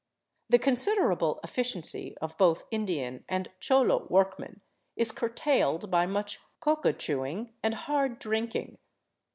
The considerable effi ciency of both Indian and cholo workmen is curtailed by much coca chewing and hard drinking.